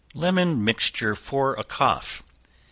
Lemon Mixture for a Cough.